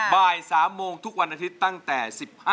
บ่าย๓โมงทุกวันอาทิตย์ตั้งแต่๑๕